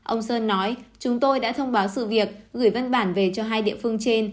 ông sơn nói chúng tôi đã thông báo sự việc gửi văn bản về cho hai địa phương trên